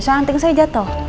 soalnya anting saya jatuh